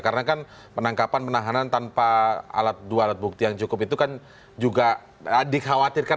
karena kan penangkapan penahanan tanpa dua alat bukti yang cukup itu kan juga dikhawatirkan